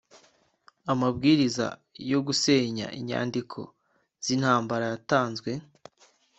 amabwiriza yogusenya inyandiko zintambara yatanzwe.